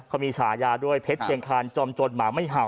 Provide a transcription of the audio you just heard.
เขามีฉายาด้วยเพชรเชียงคานจอมจนหมาไม่เห่า